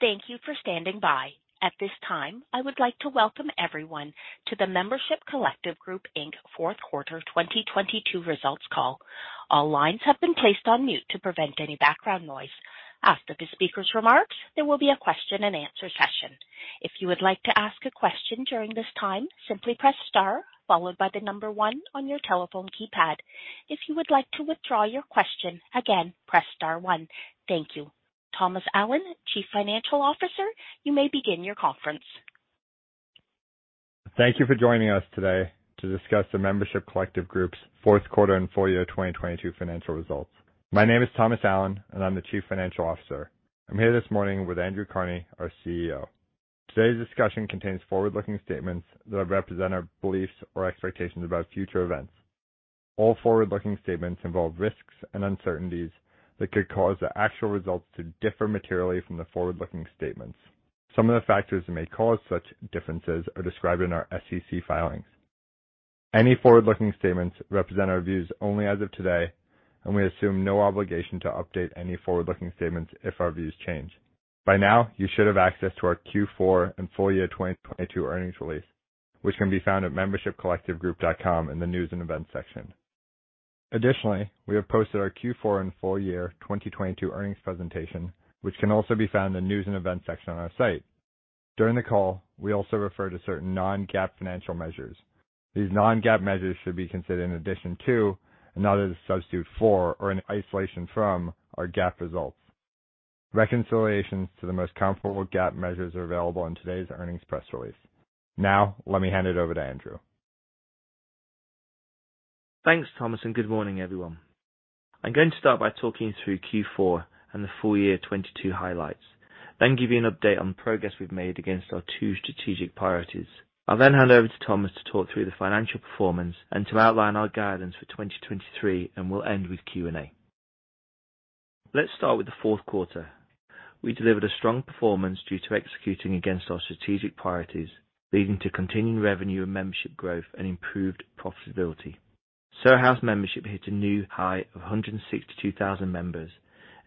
Thank you for standing by. At this time, I would like to welcome everyone to the Membership Collective Group Inc. Q4 2022 results call. All lines have been placed on mute to prevent any background noise. After the speaker's remarks, there will be a question-and-answer session. If you would like to ask a question during this time, simply press star followed by the number one on your telephone keypad. If you would like to withdraw your question, again, press star one. Thank you. Thomas Allen, Chief Financial Officer, you may begin your conference. Thank you for joining us today to discuss the Membership Collective Group's Q4 and full year 2022 financial results. My name is Thomas Allen, and I'm the Chief Financial Officer. I'm here this morning with Andrew Carnie, our CEO. Today's discussion contains forward-looking statements that represent our beliefs or expectations about future events. All forward-looking statements involve risks and uncertainties that could cause the actual results to differ materially from the forward-looking statements. Some of the factors that may cause such differences are described in our SEC filings. Any forward-looking statements represent our views only as of today, and we assume no obligation to update any forward-looking statements if our views change. By now, you should have access to our Q4 and full year 2022 earnings release, which can be found at membershipcollectivegroup.com in the News and Events section. We have posted our Q4 and full year 2022 earnings presentation, which can also be found in the News and Events section on our site. During the call, we also refer to certain non-GAAP financial measures. These non-GAAP measures should be considered in addition to and not as a substitute for or an isolation from our GAAP results. Reconciliations to the most comparable GAAP measures are available in today's earnings press release. Let me hand it over to Andrew. Thanks, Thomas. Good morning, everyone. I'm going to start by talking through Q4 and the full year 22 highlights, then give you an update on progress we've made against our two strategic priorities. I'll hand over to Thomas to talk through the financial performance and to outline our guidance for 2023, and we'll end with Q&A. Let's start with the Q4. We delivered a strong performance due to executing against our strategic priorities, leading to continued revenue and membership growth and improved profitability. Soho House membership hit a new high of 162,000 members,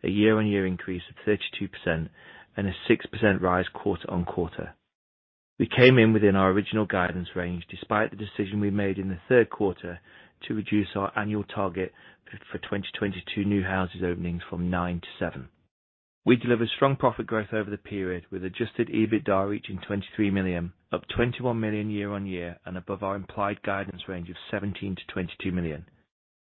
a year-on-year increase of 32% and a 6% rise quarter-on-quarter. We came in within our original guidance range despite the decision we made in the Q3 to reduce our annual target for 2022 new Houses openings from 9 to 7. We delivered strong profit growth over the period with Adjusted EBITDA reaching $23 million, up $21 million year-on-year and above our implied guidance range of $17 million-$22 million.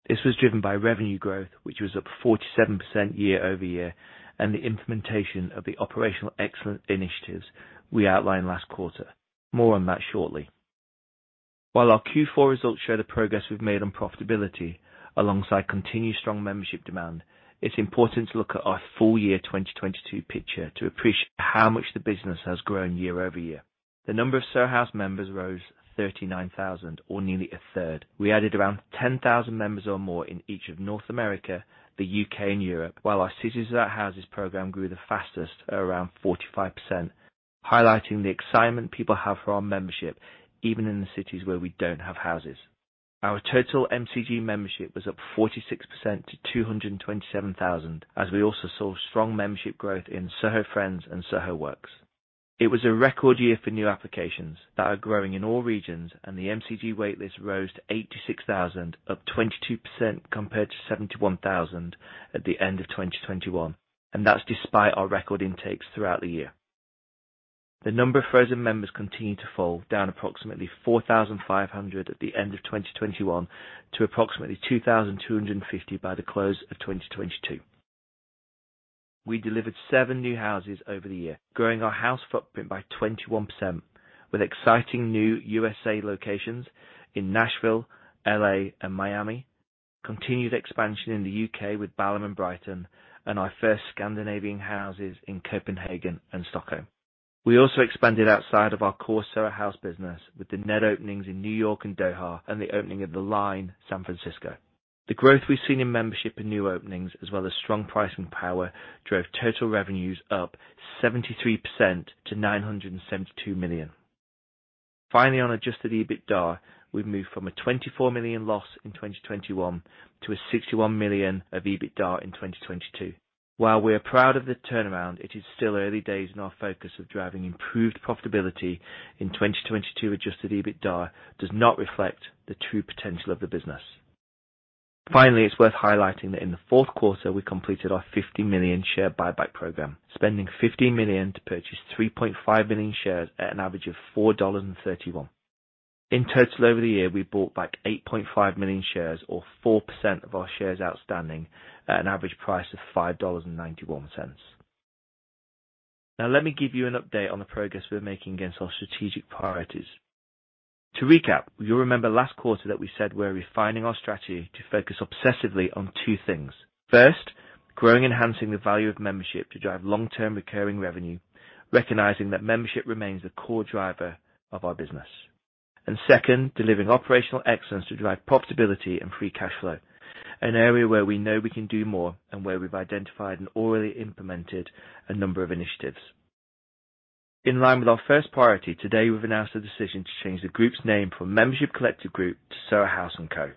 This was driven by revenue growth, which was up 47% year-over-year, and the implementation of the operational excellent initiatives we outlined last quarter. More on that shortly. While our Q4 results show the progress we've made on profitability alongside continued strong membership demand, it's important to look at our full year 2022 picture to appreciate how much the business has grown year-over-year. The number of Soho House members rose 39,000 or nearly a third. We added around 10,000 members or more in each of North America, the UK, and Europe. While our Cities Without Houses program grew the fastest at around 45%, highlighting the excitement people have for our membership, even in the cities where we don't have houses. Our total MCG membership was up 46% to 227,000, as we also saw strong membership growth in Soho Friends and Soho Works. It was a record year for new applications that are growing in all regions, the MCG waitlist rose to 86,000, up 22% compared to 71,000 at the end of 2021. That's despite our record intakes throughout the year. The number of frozen members continued to fall, down approximately 4,500 at the end of 2021 to approximately 2,250 by the close of 2022. We delivered seven new houses over the year, growing our house footprint by 21% with exciting new USA locations in Nashville, L.A., and Miami. Continued expansion in the U.K. with Balham and Brighton and our first Scandinavian houses in Copenhagen and Stockholm. We also expanded outside of our core Soho House business with The Ned openings in New York and Doha and the opening of The Line, San Francisco. The growth we've seen in membership and new openings as well as strong pricing power drove total revenues up 73% to $972 million. On Adjusted EBITDA, we've moved from a $24 million loss in 2021 to a $61 million of EBITDA in 2022. While we are proud of the turnaround, it is still early days in our focus of driving improved profitability in 2022 Adjusted EBITDA does not reflect the true potential of the business. Finally, it's worth highlighting that in the Q4 we completed our $50 million share buyback program, spending $15 million to purchase 3.5 million shares at an average of $4.31. In total over the year, we bought back 8.5 million shares or 4% of our shares outstanding at an average price of $5.91. Now let me give you an update on the progress we're making against our strategic priorities. To recap, you'll remember last quarter that we said we're refining our strategy to focus obsessively on two things. First, growing enhancing the value of membership to drive long-term recurring revenue, recognizing that membership remains the core driver of our business. Second, delivering operational excellence to drive profitability and free cash flow, an area where we know we can do more and where we've identified and already implemented a number of initiatives. In line with our first priority, today we've announced a decision to change the group's name from Membership Collective Group to Soho House & Co.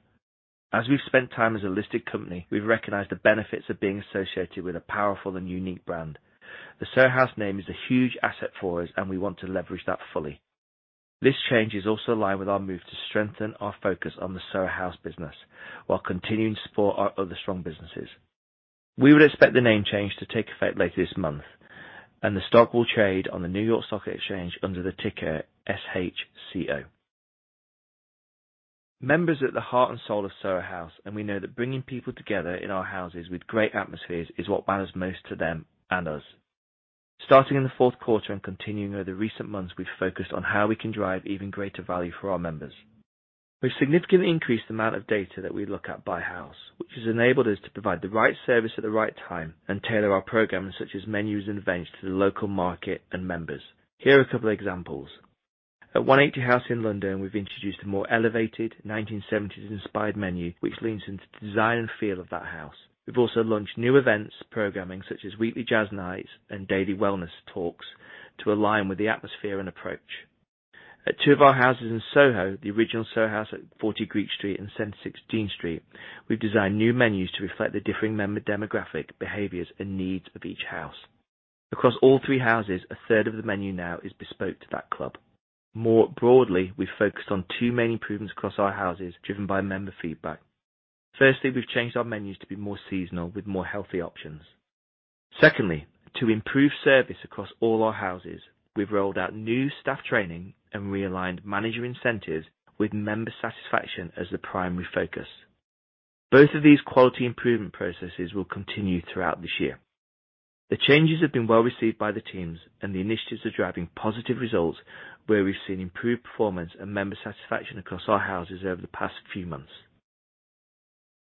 As we've spent time as a listed company, we've recognized the benefits of being associated with a powerful and unique brand. The Soho House name is a huge asset for us, and we want to leverage that fully. This change is also in line with our move to strengthen our focus on the Soho House business while continuing to support our other strong businesses. We would expect the name change to take effect later this month, the stock will trade on the New York Stock Exchange under the ticker SHCO. Members are at the heart and soul of Soho House, we know that bringing people together in our houses with great atmospheres is what matters most to them and us. Starting in the Q4 and continuing over the recent months, we've focused on how we can drive even greater value for our members. We've significantly increased the amount of data that we look at by house, which has enabled us to provide the right service at the right time and tailor our programs such as menus and events to the local market and members. Here are a couple of examples. At 180 House in London, we've introduced a more elevated 1970s-inspired menu, which leans into the design and feel of that house. We've also launched new events, programming such as weekly jazz nights and daily wellness talks to align with the atmosphere and approach. At two of our houses in Soho, the original Soho House at Forty Greek Street and Center Sixteen Street, we've designed new menus to reflect the differing member demographic behaviors and needs of each house. Across all three houses, a third of the menu now is bespoke to that club. More broadly, we focused on two main improvements across our houses, driven by member feedback. Firstly, we've changed our menus to be more seasonal with more healthy options. Secondly, to improve service across all our houses, we've rolled out new staff training and realigned manager incentives with member satisfaction as the primary focus. Both of these quality improvement processes will continue throughout this year. The changes have been well-received by the teams, and the initiatives are driving positive results where we've seen improved performance and member satisfaction across our houses over the past few months.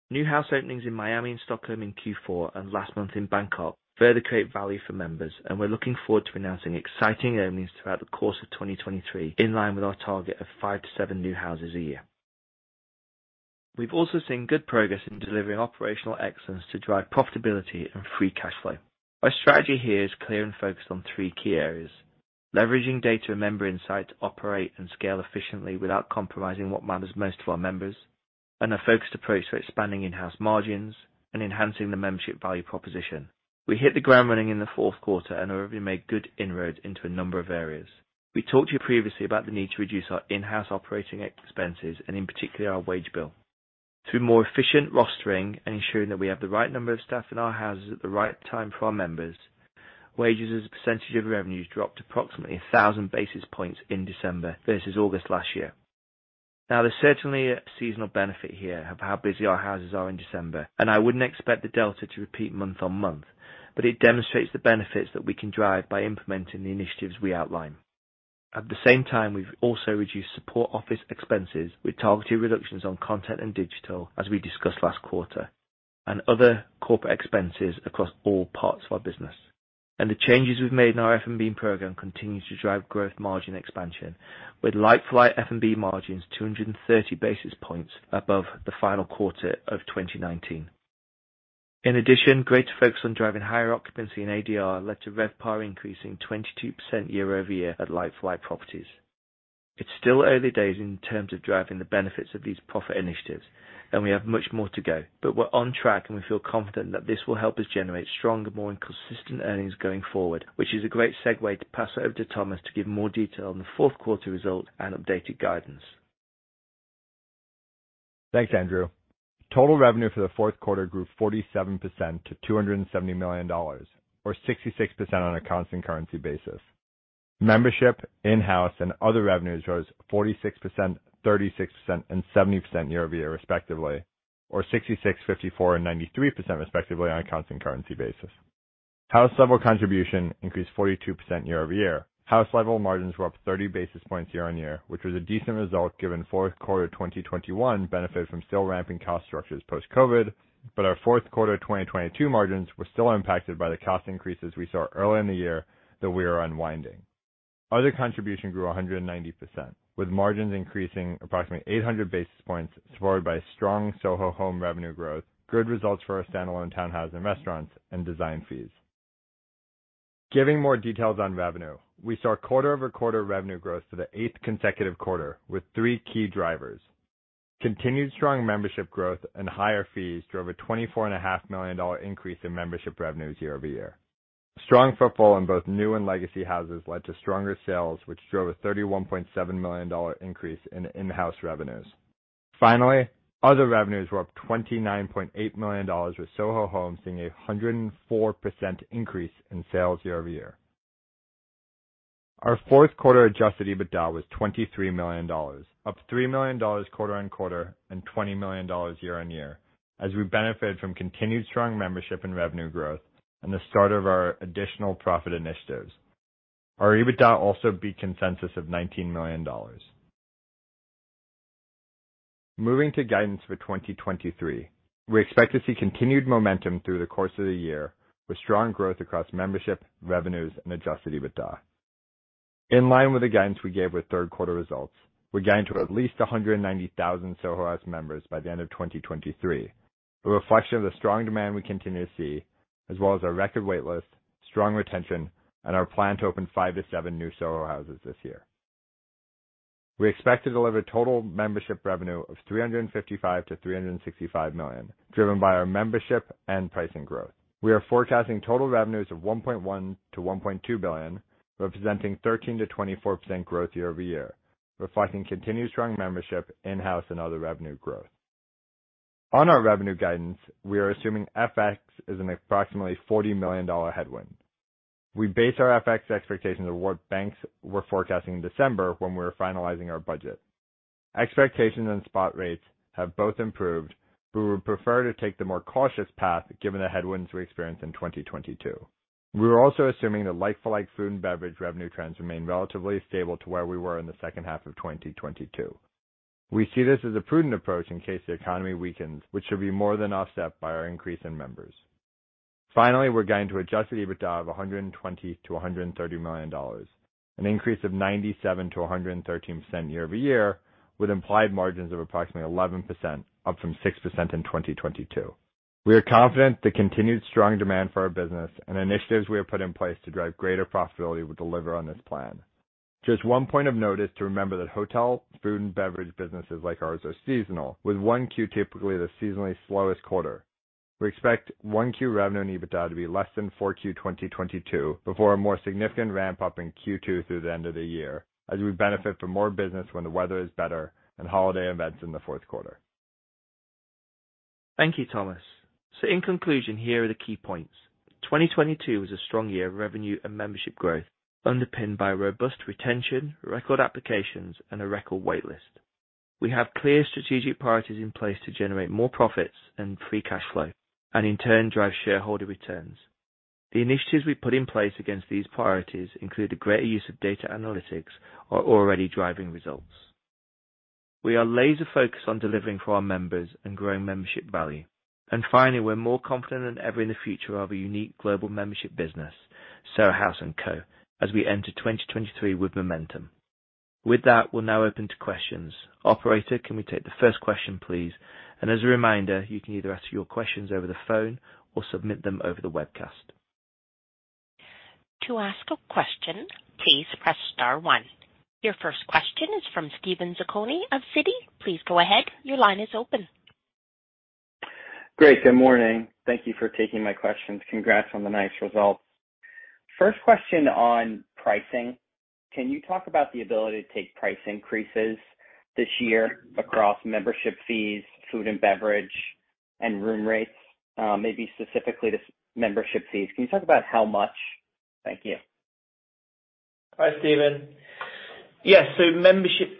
New house openings in Miami and Stockholm in Q4 and last month in Bangkok further create value for members, and we're looking forward to announcing exciting openings throughout the course of 2023 in line with our target of five-seven new houses a year. We've also seen good progress in delivering operational excellence to drive profitability and free cash flow. Our strategy here is clear and focused on three key areas. Leveraging data and member insight to operate and scale efficiently without compromising what matters most to our members, and a focused approach to expanding in-house margins and enhancing the membership value proposition. We hit the ground running in the Q4 and have already made good inroads into a number of areas. We talked to you previously about the need to reduce our in-house operating expenses and in particular, our wage bill. Through more efficient rostering and ensuring that we have the right number of staff in our Houses at the right time for our members, wages as a percentage of revenues dropped approximately 1,000 basis points in December versus August last year. There's certainly a seasonal benefit here of how busy our Houses are in December, and I wouldn't expect the delta to repeat month-on-month, but it demonstrates the benefits that we can drive by implementing the initiatives we outline. At the same time, we've also reduced support office expenses with targeted reductions on content and digital, as we discussed last quarter, and other corporate expenses across all parts of our business. The changes we've made in our F&B program continues to drive growth margin expansion with Like-for-like F&B margins 230 basis points above the final quarter of 2019. In addition, greater focus on driving higher occupancy in ADR led to RevPAR increasing 22% year-over-year at Like-for-like properties. It's still early days in terms of driving the benefits of these profit initiatives, and we have much more to go, but we're on track, and we feel confident that this will help us generate stronger, more consistent earnings going forward, which is a great segue to pass over to Thomas to give more detail on the Q4 results and updated guidance. Thanks, Andrew. Total revenue for the Q4 grew 47% to $270 million or 66% on a constant currency basis. Membership, in-house, and other revenues rose 46%, 36%, and 70% year-over-year, respectively, or 66%, 54%, and 93%, respectively on a constant currency basis. House level contribution increased 42% year-over-year. House level margins were up 30 basis points year-on-year, which was a decent result given Q4 2021 benefited from still ramping cost structures post-COVID, but our Q4 2022 margins were still impacted by the cost increases we saw earlier in the year that we are unwinding. Other contribution grew 190%, with margins increasing approximately 800 basis points, supported by strong Soho Home revenue growth, good results for our standalone townhouse and restaurants, and design fees. Giving more details on revenue, we saw quarter-over-quarter revenue growth to the eighth consecutive quarter with three key drivers. Continued strong membership growth and higher fees drove a twenty-four and a half million dollar increase in membership revenues year-over-year. Strong footfall in both new and legacy houses led to stronger sales, which drove a $31.7 million increase in in-house revenues. Other revenues were up $29.8 million, with Soho Home seeing a 104% increase in sales year-over-year. Our Q4 Adjusted EBITDA was $23 million, up $3 million quarter-on-quarter and $20 million year-on-year as we benefit from continued strong membership and revenue growth and the start of our additional profit initiatives. Our EBITDA also beat consensus of $19 million. Moving to guidance for 2023, we expect to see continued momentum through the course of the year with strong growth across membership, revenues, and Adjusted EBITDA. In line with the guidance we gave with 3rd quarter results, we're guiding to at least 190,000 Soho House members by the end of 2023. A reflection of the strong demand we continue to see, as well as our record wait list, strong retention, and our plan to open five-seven new Soho Houses this year. We expect to deliver total membership revenue of $355 million-$365 million, driven by our membership and pricing growth. We are forecasting total revenues of $1.1 billion-$1.2 billion, representing 13%-24% growth year-over-year, reflecting continued strong membership in-house and other revenue growth. On our revenue guidance, we are assuming FX is an approximately $40 million headwind. We base our FX expectations on what banks were forecasting in December when we were finalizing our budget. Expectations and spot rates have both improved, but we would prefer to take the more cautious path given the headwinds we experienced in 2022. We're also assuming that like-for-like food and beverage revenue trends remain relatively stable to where we were in the H2 of 2022. We see this as a prudent approach in case the economy weakens, which should be more than offset by our increase in members. Finally, we're guiding to Adjusted EBITDA of $120 million-$130 million, an increase of 97%-113% year-over-year, with implied margins of approximately 11%, up from 6% in 2022. We are confident the continued strong demand for our business and initiatives we have put in place to drive greater profitability will deliver on this plan. Just one point of note is to remember that hotel, food, and beverage businesses like ours are seasonal, with Q1 typically the seasonally slowest quarter. We expect 1Q revenue and EBITDA to be less than 4Q 2022 before a more significant ramp-up in Q2 through the end of the year, as we benefit from more business when the weather is better and holiday events in the Q4. Thank you, Thomas. In conclusion, here are the key points. 2022 was a strong year of revenue and membership growth, underpinned by robust retention, record applications, and a record wait list. We have clear strategic priorities in place to generate more profits and free cash flow and in turn drive shareholder returns. The initiatives we put in place against these priorities, including greater use of data analytics, are already driving results. We are laser focused on delivering for our members and growing membership value. Finally, we're more confident than ever in the future of a unique global membership business, Soho House & Co, as we enter 2023 with momentum. With that, we'll now open to questions. Operator, can we take the first question, please? As a reminder, you can either ask your questions over the phone or submit them over the webcast. To ask a question, please press star one. Your first question is from Steven Zaccone of Citi. Please go ahead. Your line is open. Great. Good morning. Thank you for taking my questions. Congrats on the nice results. First question on pricing. Can you talk about the ability to take price increases this year across membership fees, food and beverage, and room rates? Maybe specifically the membership fees. Can you talk about how much? Thank you. Hi, Steven. Yes, membership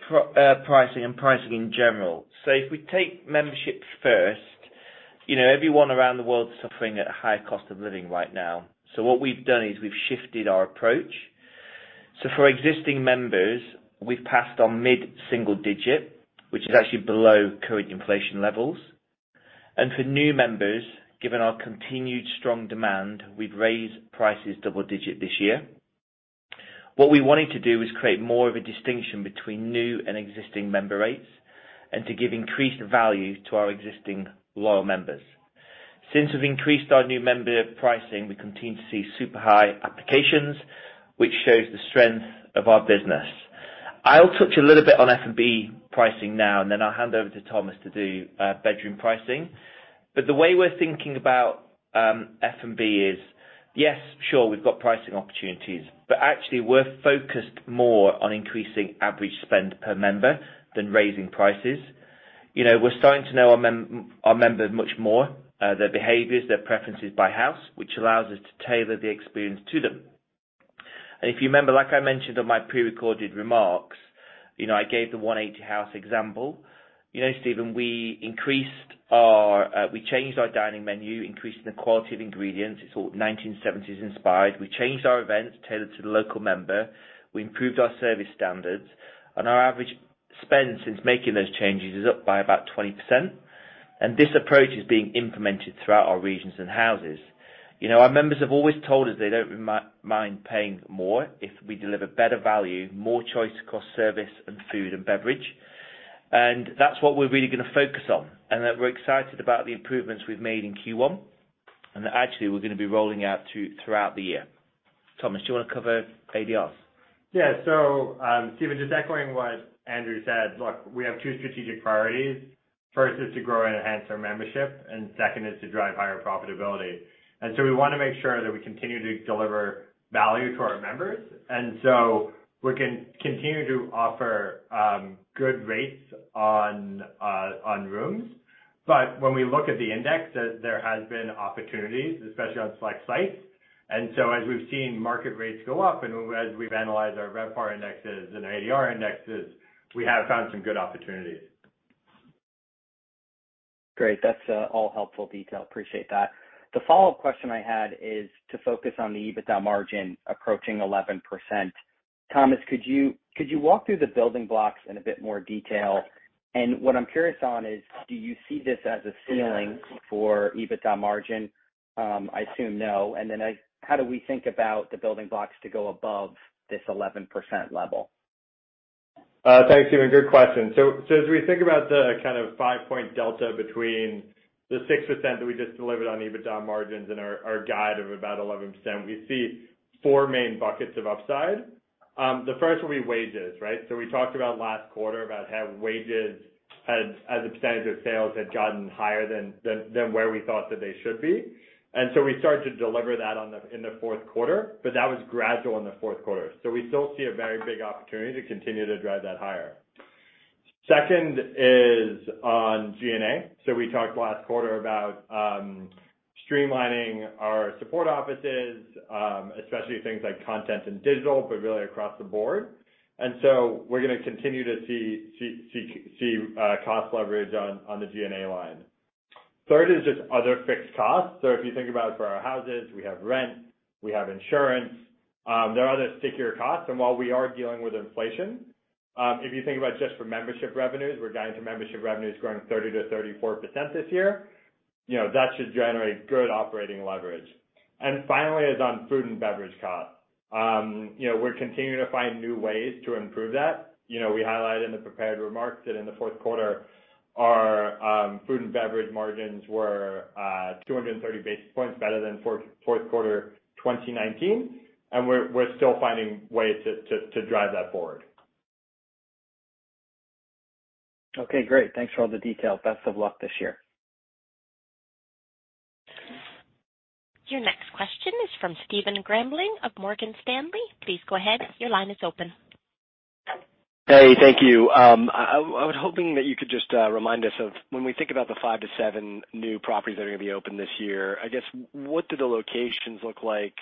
pricing and pricing in general. If we take membership first, you know everyone around the world is suffering at a higher cost of living right now. What we've done is we've shifted our approach. For existing members, we've passed on mid-single digit, which is actually below current inflation levels. For new members, given our continued strong demand, we'd raise prices double digit this year. What we wanted to do is create more of a distinction between new and existing member rates and to give increased value to our existing loyal members. Since we've increased our new member pricing, we continue to see super high applications, which shows the strength of our business. I'll touch a little bit on F&B pricing now, and then I'll hand over to Thomas to do bedroom pricing. The way we're thinking about F&B is, yes, sure, we've got pricing opportunities, but actually we're focused more on increasing average spend per member than raising prices. You know, we're starting to know our members much more, their behaviors, their preferences by house, which allows us to tailor the experience to them. If you remember, like I mentioned on my prerecorded remarks, you know, I gave the One Eighty House example. You know, Steven, we increased our. We changed our dining menu, increasing the quality of ingredients. It's all 1970s inspired. We changed our events tailored to the local member. We improved our service standards. Our average spend since making those changes is up by about 20%. This approach is being implemented throughout our regions and houses. You know, our members have always told us they don't mind paying more if we deliver better value, more choice across service and food and beverage. That's what we're really gonna focus on, and that we're excited about the improvements we've made in Q one, and that actually we're gonna be rolling out to throughout the year. Thomas, do you wanna cover ADRs? Yeah. Steven, just echoing what Andrew said. Look, we have two strategic priorities. First is to grow and enhance our membership, second is to drive higher profitability. We wanna make sure that we continue to deliver value to our members, and so we continue to offer good rates on rooms. When we look at the index, there has been opportunities, especially on select sites. As we've seen market rates go up and as we've analyzed our RevPAR indexes and our ADR indexes, we have found some good opportunities. Great. That's all helpful detail. Appreciate that. The follow-up question I had is to focus on the EBITDA margin approaching 11%. Thomas, could you walk through the building blocks in a bit more detail? What I'm curious on is, do you see this as a ceiling for EBITDA margin? I assume no. Then, like, how do we think about the building blocks to go above this 11% level? Thanks, Steven. Good question. As we think about the kind of five-point delta between the 6% that we just delivered on EBITDA margins and our guide of about 11%, we see four main buckets of upside. The first will be wages, right? We talked about last quarter about how wages as a percentage of sales had gotten higher than where we thought that they should be. We started to deliver that in the Q4, but that was gradual in the Q4. We still see a very big opportunity to continue to drive that higher. Second is on G&A. We talked last quarter about streamlining our support offices, especially things like content and digital, but really across the board. We're gonna continue to see cost leverage on the G&A line. Third is just other fixed costs. If you think about for our houses, we have rent, we have insurance, there are other stickier costs. While we are dealing with inflation, if you think about just for membership revenues, we're guiding for membership revenues growing 30%-34% this year. You know, that should generate good operating leverage. Finally is on food and beverage costs. You know, we're continuing to find new ways to improve that. You know, we highlighted in the prepared remarks that in the Q4, our food and beverage margins were 230 basis points better than Q4 2019, and we're still finding ways to drive that forward. Okay, great. Thanks for all the detail. Best of luck this year. Your next question is from Stephen Grambling of Morgan Stanley. Please go ahead. Your line is open. Thank you. I was hoping that you could just remind us of when we think about the five to seven new properties that are gonna be open this year, I guess, what do the locations look like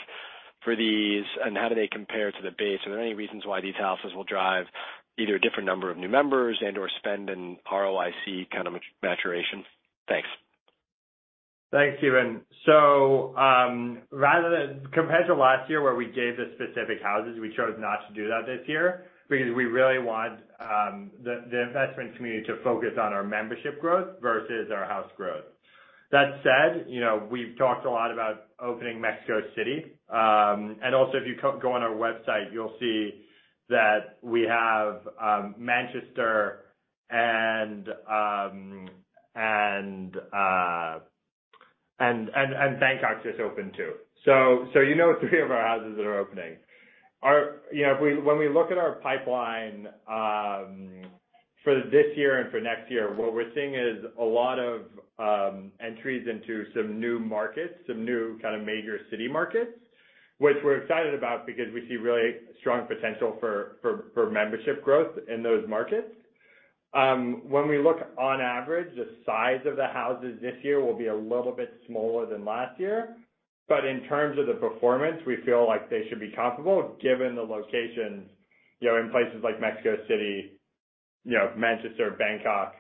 for these, and how do they compare to the base? Are there any reasons why these houses will drive either a different number of new members and/or spend and ROIC kind of maturation? Thanks. Thanks, Steven. compared to last year, where we gave the specific houses, we chose not to do that this year because we really want the investment community to focus on our membership growth versus our house growth. That said, you know, we've talked a lot about opening Mexico City. Also, if you go on our website, you'll see that we have Manchester and Bangkok just opened too. you know three of our houses that are opening. You know, when we look at our pipeline, for this year and for next year, what we're seeing is a lot of entries into some new markets, some new kind of major city markets, which we're excited about because we see really strong potential for membership growth in those markets. When we look on average, the size of the houses this year will be a little bit smaller than last year. In terms of the performance, we feel like they should be comparable given the locations, you know, in places like Mexico City, you know, Manchester, Bangkok,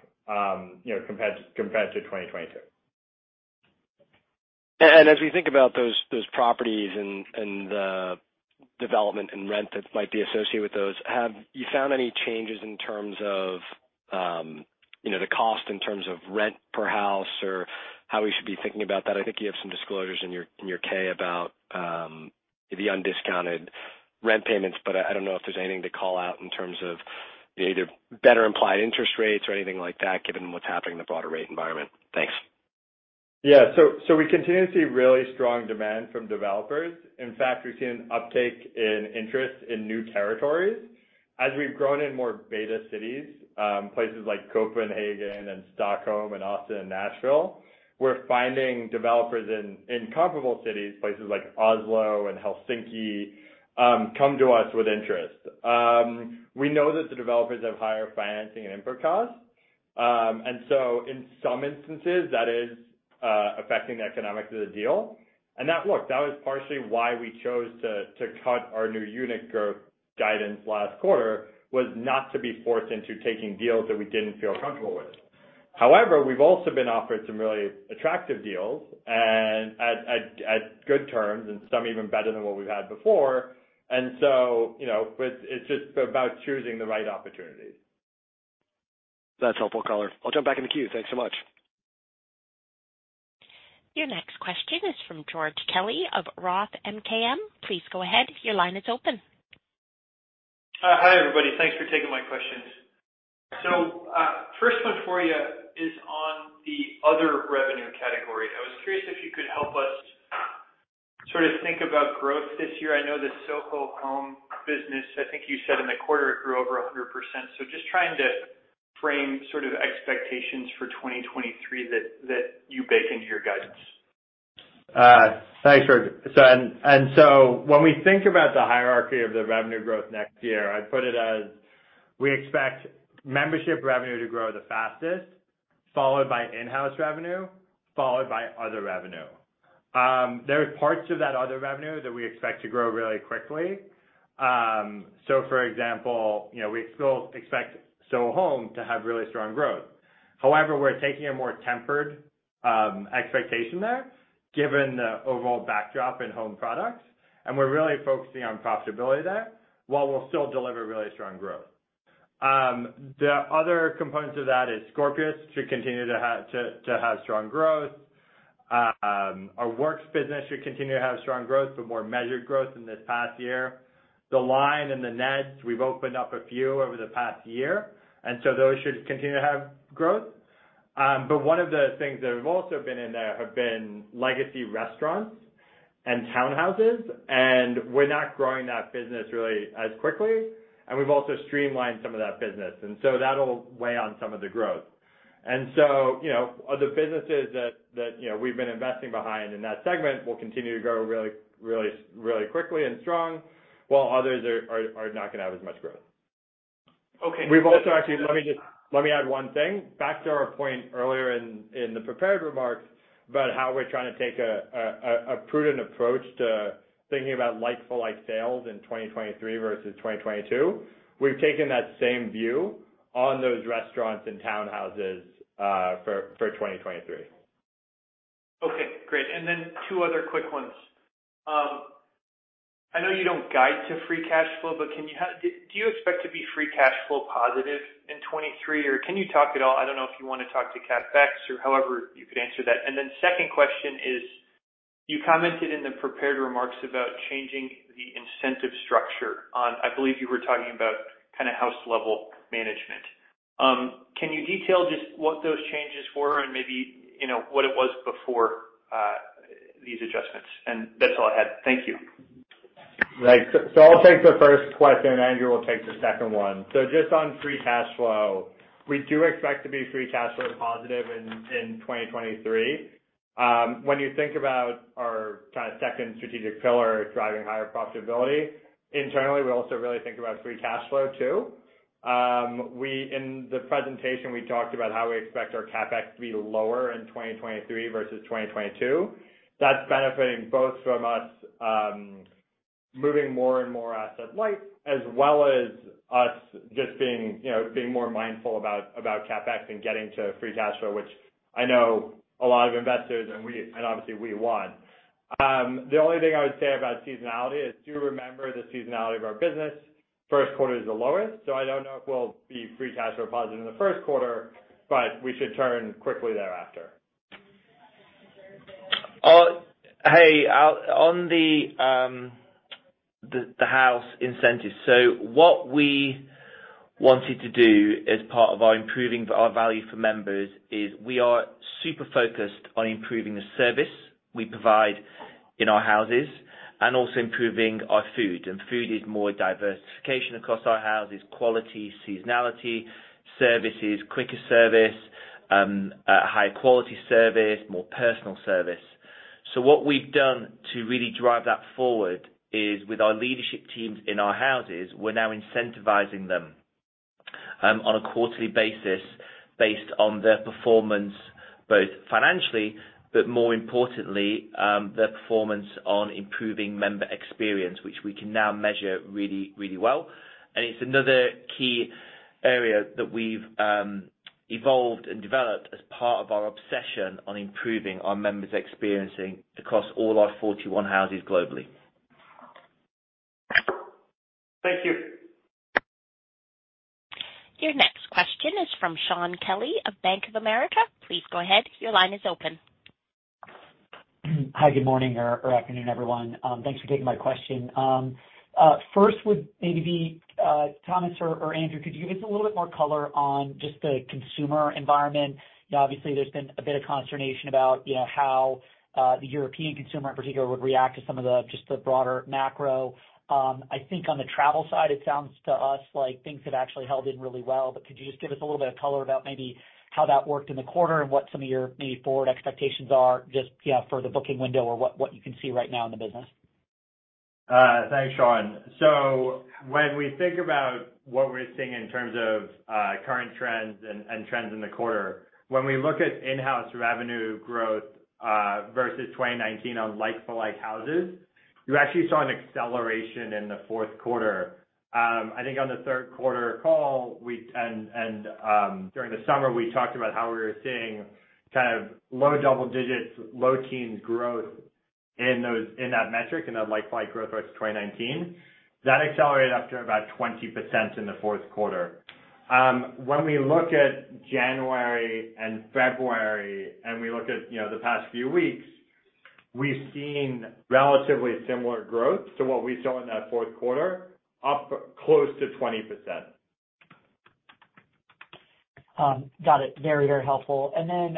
you know, compared to 2022. As we think about those properties and the development and rent that might be associated with those, have you found any changes in terms of, you know, the cost in terms of rent per House or how we should be thinking about that? I think you have some disclosures in your, in your K about the undiscounted rent payments. I don't know if there's anything to call out in terms of either better implied interest rates or anything like that, given what's happening in the broader rate environment. Thanks. We continue to see really strong demand from developers. In fact, we're seeing an uptake in interest in new territories. As we've grown in more beta cities, places like Copenhagen and Stockholm and Austin and Nashville, we're finding developers in comparable cities, places like Oslo and Helsinki, come to us with interest. We know that the developers have higher financing and input costs. In some instances, that is affecting the economics of the deal. Look, that was partially why we chose to cut our new unit growth guidance last quarter, was not to be forced into taking deals that we didn't feel comfortable with. We've also been offered some really attractive deals and at good terms, and some even better than what we've had before. You know, but it's just about choosing the right opportunities. That's helpful color. I'll jump back in the queue. Thanks so much. Your next question is from George Kelly of ROTH MKM. Please go ahead. Your line is open. Hi, everybody. Thanks for taking my questions. First one for you is on the other revenue category. I was curious if you could help us sort of think about growth this year. I know the Soho Home business, I think you said in the quarter it grew over 100%. Just trying to frame sort of expectations for 2023 that you bake into your guidance. Thanks, George. When we think about the hierarchy of the revenue growth next year, I'd put it as we expect membership revenue to grow the fastest, followed by in-house revenue, followed by other revenue. There are parts of that other revenue that we expect to grow really quickly. For example, you know, we still expect Soho Home to have really strong growth. However, we're taking a more tempered expectation there, given the overall backdrop in home products, and we're really focusing on profitability there, while we'll still deliver really strong growth. The other components of that is Scorpios should continue to have strong growth. Our Works business should continue to have strong growth, but more measured growth in this past year. The Line in The Ned, we've opened up a few over the past year. Those should continue to have growth. One of the things that have also been in there have been legacy restaurants and townhouses, we're not growing that business really as quickly. We've also streamlined some of that business, that'll weigh on some of the growth. You know, other businesses that, you know, we've been investing behind in that segment will continue to grow really quickly and strong, while others are not gonna have as much growth. Okay. We've also actually. Let me add one thing. Back to our point earlier in the prepared remarks about how we're trying to take a prudent approach to thinking about like-for-like sales in 2023 versus 2022. We've taken that same view on those restaurants and townhouses for 2023. Okay, great. 2 other quick ones. I know you don't guide to free cash flow, do you expect to be free cash flow positive in 23 or can you talk at all? I don't know if you wanna talk to CapEx or however you could answer that. Second question is, you commented in the prepared remarks about changing the incentive structure on... I believe you were talking about kind of House level management. Can you detail just what those changes were and maybe, you know, what it was before these adjustments? That's all I had. Thank you. Right. I'll take the first question, Andrew will take the second one. Just on free cash flow, we do expect to be free cash flow positive in 2023. When you think about our kinda second strategic pillar, driving higher profitability, internally, we also really think about free cash flow too. In the presentation, we talked about how we expect our CapEx to be lower in 2023 versus 2022. That's benefiting both from us, moving more and more asset light, as well as us just being, you know, being more mindful about CapEx and getting to free cash flow, which I know a lot of investors and obviously we want. The only thing I would say about seasonality is do remember the seasonality of our business. First quarter is the lowest, so I don't know if we'll be free cash flow positive in the first quarter, but we should turn quickly thereafter. Hey, on the house incentives. What we wanted to do as part of our improving our value for members is we are super focused on improving the service we provide in our houses and also improving our food. Food is more diversification across our houses, quality, seasonality. Service is quicker service, higher quality service, more personal service. What we've done to really drive that forward is with our leadership teams in our houses, we're now incentivizing them on a quarterly basis based on their performance, both financially, but more importantly, their performance on improving member experience, which we can now measure really, really well. It's another key area that we've evolved and developed as part of our obsession on improving our members' experiencing across all our 41 houses globally. Thank you. Your next question is from Shaun Kelley of Bank of America. Please go ahead. Your line is open. Hi, good morning or afternoon, everyone. Thanks for taking my question. First would maybe be Thomas or Andrew, could you give us a little bit more color on just the consumer environment? You know, obviously there's been a bit of consternation about, you know, how the European consumer in particular would react to some of the, just the broader macro. I think on the travel side, it sounds to us like things have actually held in really well. Could you just give us a little bit of color about maybe how that worked in the quarter and what some of your maybe forward expectations are just, you know, for the booking window or what you can see right now in the business? Thanks, Shaun. When we think about what we're seeing in terms of current trends and trends in the quarter, when we look at in-house revenue growth versus 2019 on Like-for-like houses, you actually saw an acceleration in the Q4. I think on the Q3 call, during the summer, we talked about how we were seeing kind of low double digits, low teens growth in that metric, in the Like-for-like growth versus 2019. That accelerated up to about 20% in the Q4. When we look at January and February and we look at, you know, the past few weeks, we've seen relatively similar growth to what we saw in that Q4, up close to 20%. Got it. Very, very helpful. Then,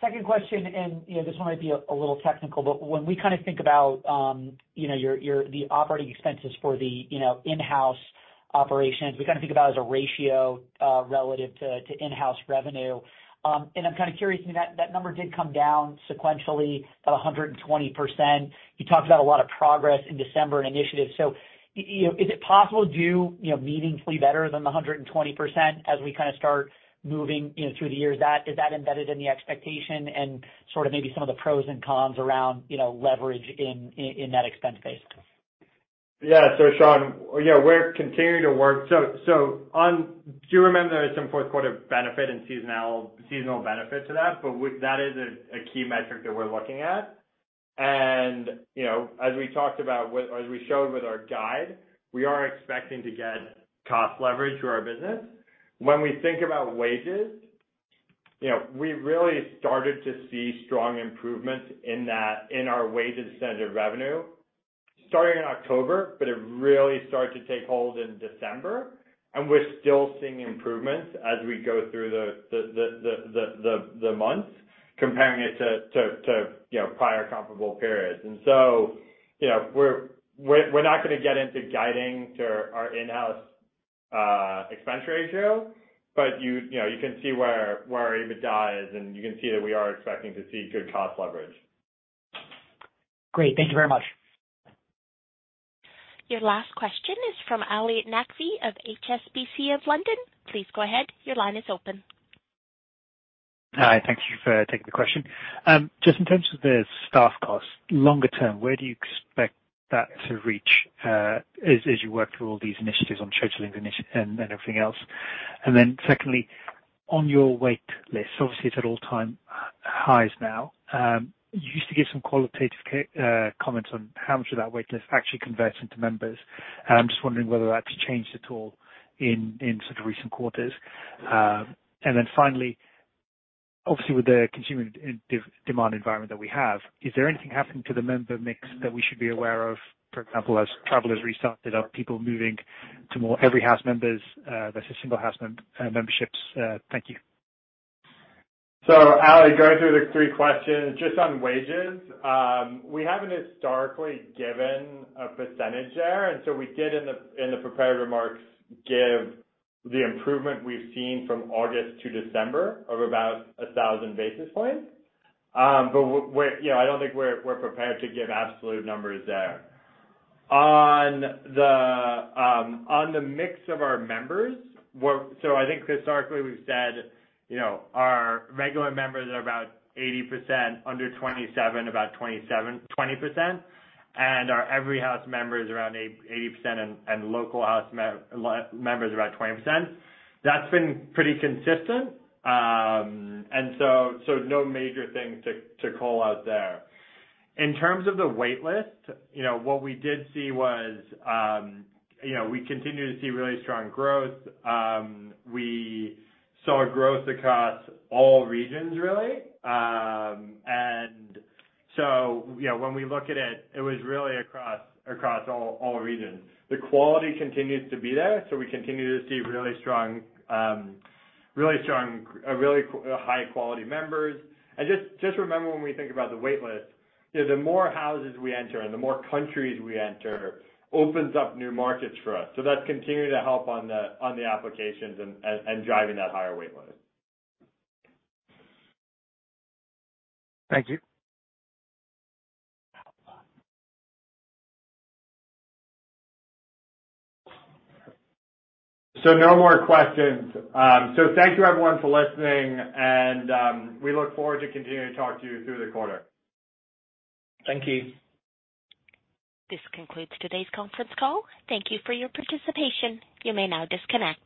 second question, and, you know, this one might be a little technical, but when we kinda think about, you know, your the operating expenses for the, you know, in-house operations, we kinda think about as a ratio, relative to in-house revenue. I'm kinda curious, I mean, that number did come down sequentially about 120%. You talked about a lot of progress in December and initiatives. You know, is it possible to do, you know, meaningfully better than the 120% as we kinda start moving, you know, through the years? Is that embedded in the expectation and sort of maybe some of the pros and cons around, you know, leverage in that expense base? Yeah. Shaun, yeah, we're continuing to work. Do you remember there was some Q4 benefit and seasonal benefit to that? That is a key metric that we're looking at. You know, as we talked about or as we showed with our guide, we are expecting to get cost leverage to our business. When we think about wages, you know, we really started to see strong improvements in our wages center revenue starting in October, but it really started to take hold in December, and we're still seeing improvements as we go through the months comparing it to, you know, prior comparable periods. You know, we're not gonna get into guiding to our in-house expense ratio, but you know, you can see where our EBITDA is and you can see that we are expecting to see good cost leverage. Great. Thank you very much. Your last question is from Ali Naqvi of HSBC of London. Please go ahead. Your line is open. Hi. Thank you for taking the question. Just in terms of the staff costs, longer term, where do you expect that to reach, as you work through all these initiatives on short-term and everything else? Secondly, on your wait list, obviously it's at all-time highs now. You used to give some qualitative comments on how much of that wait list actually converts into members. I'm just wondering whether that's changed at all in sort of recent quarters. Finally, obviously with the consumer demand environment that we have, is there anything happening to the member mix that we should be aware of? For example, as travel has restarted, are people moving to more Every House members versus Local House memberships? Thank you. Ali, going through the three questions, just on wages, we haven't historically given a percentage there, we did in the prepared remarks, give the improvement we've seen from August to December of about 1,000 basis points. You know, I don't think we're prepared to give absolute numbers there. On the mix of our members, I think historically we've said, you know, our regular members are about 80%, under 27, 20%, and our Every House members around 80%, and Local House members are about 20%. That's been pretty consistent. No major things to call out there. In terms of the wait list, you know, what we did see was, you know, we continue to see really strong growth. We saw growth across all regions, really. Yeah, when we look at it was really across all regions. The quality continues to be there, so we continue to see really strong, high quality members. Just remember when we think about the wait list, you know, the more houses we enter and the more countries we enter opens up new markets for us. That's continuing to help on the applications and driving that higher wait list. Thank you. No more questions. Thank you everyone for listening and, we look forward to continuing to talk to you through the quarter. Thank you. This concludes today's conference call. Thank you for your participation. You may now disconnect.